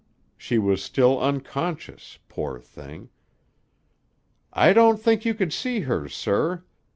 She was still unconscious; poor thing! "I don't think you could see her, sir.